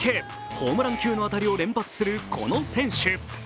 ホームラン級の当たりを連発するこの選手。